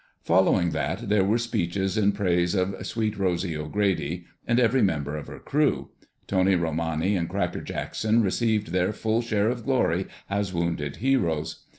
Following that there were speeches in praise of Sweet Rosy O'Grady and every member of her crew. Tony Romani and Cracker Jackson received their full share of glory, as wounded heroes.